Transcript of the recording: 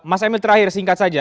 mas emil terakhir singkat saja